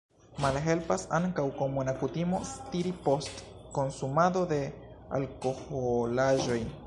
Malhelpas ankaŭ komuna kutimo stiri post konsumado de alkoholaĵoj.